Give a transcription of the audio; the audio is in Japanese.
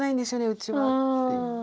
うちはっていう。